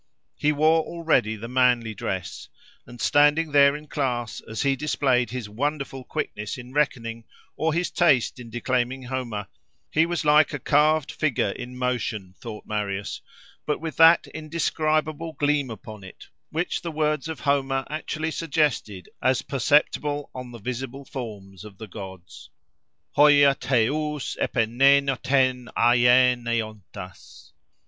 He wore already the manly dress; and standing there in class, as he displayed his wonderful quickness in reckoning, or his taste in declaiming Homer, he was like a carved figure in motion, thought Marius, but with that indescribable gleam upon it which the words of Homer actually suggested, as perceptible on the visible forms of the gods—hoia theous epenênothen aien eontas.